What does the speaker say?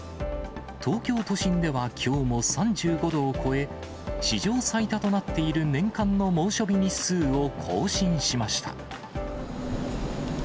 東京都心ではきょうも３５度を超え、史上最多となっている年間の猛暑日日数を更新しました。